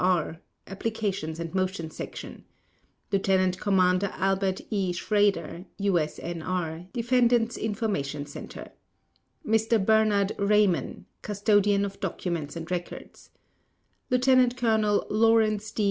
O.R. Applications and Motions Section LIEUTENANT COMMANDER ALBERT E. SCHRADER, U.S.N.R. Defendants' Information Center MR. BERNARD REYMON Custodian of Documents and Records LIEUTENANT COLONEL LAWRENCE D.